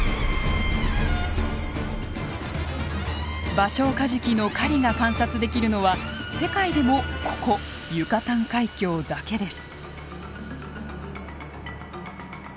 バショウカジキの狩りが観察できるのは世界でもここユカタン海峡だけです。